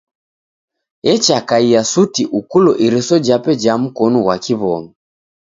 Echakaia suti ukulo iriso jape ja mkonu ghwa kiw'omi .